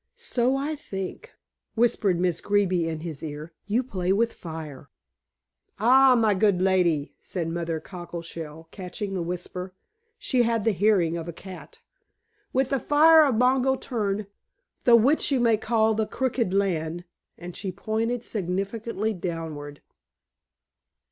"So I think," whispered Miss Greeby in his ear. "You play with fire." "Aye, my good lady," said Mother Cockleshell, catching the whisper she had the hearing of a cat. "With the fire of Bongo Tern, the which you may call The Crooked Land," and she pointed significantly downward.